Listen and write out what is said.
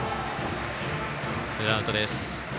ツーアウトです。